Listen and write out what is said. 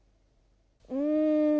うん。